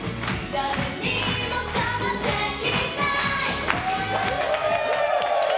誰にも邪魔できない！